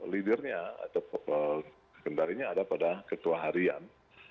leadernya atau kendarinya ada pada ketua harian